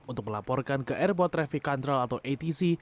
untuk melaporkan ke airport traffic control atau atc